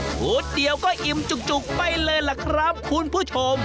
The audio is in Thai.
ชุดเดียวก็อิ่มจุกไปเลยล่ะครับคุณผู้ชม